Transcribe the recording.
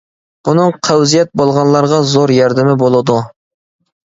بۇنىڭ قەۋزىيەت بولغانلارغا زور ياردىمى بولىدۇ.